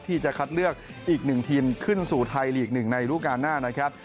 ที่จะคัดเลือกอีกหนึ่งทีมขึ้นสู่ไทยลีก๑ในรูปการณหน้านะครับ